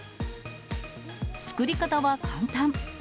作り方は簡単。